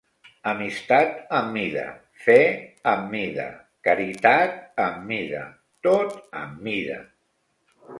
Amistat am mida, fe am mida, caritat am mida, tot am mida